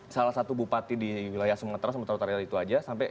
salah satu bupati di wilayah sumatera sementara itu aja